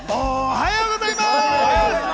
おはようございます。